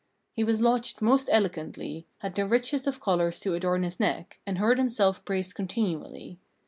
He was lodged most elegantly, had the richest of collars to adorn his neck, and heard himself praised continually.